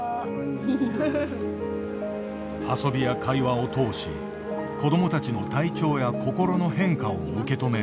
遊びや会話を通し子どもたちの体調や心の変化を受け止める。